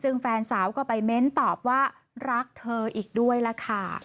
ซึ่งแฟนสาวก็ไปเม้นตอบว่ารักเธออีกด้วยล่ะค่ะ